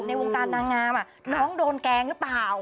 ในวงการนางงามน้องโดนแกล้งหรือเปล่า